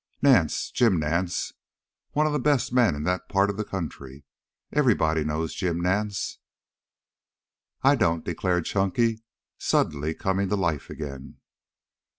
"Nance. Jim Nance, one of the best men in that part of the country. Everybody knows Jim Nance." "I don't," declared Chunky, suddenly coming to life again.